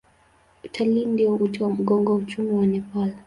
Utalii ndio uti wa mgongo wa uchumi wa Nepal.